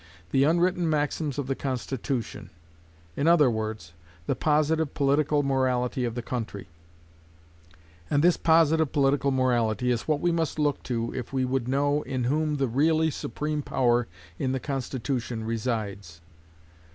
The unwritten maxims of the Constitution in other words, the positive political morality of the country; and this positive political morality is what we must look to if we would know in whom the really supreme power in the Constitution resides.